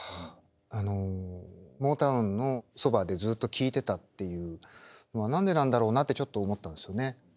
あのモータウンのそばでずっと聴いてたっていうのは何でなんだろうなってちょっと思ったんですよね。